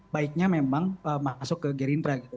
baiknya memang masuk ke gerindra gitu